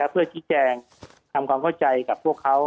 เพื่อชี้แจงทำความเข้าใจกับพวกเขา